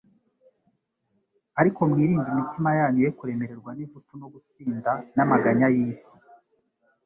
"Ariko mwirinde imitima yanyu ye kuremererwa n'ivutu no gusinda n'amaganya y'iy'isi,